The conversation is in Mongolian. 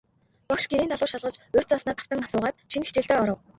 Багш гэрийн даалгавар шалгаж, урьд зааснаа давтан асуугаад, шинэ хичээлдээ оров.